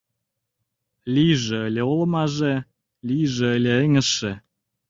Лийже ыле олмаже, лийже ыле эҥыжше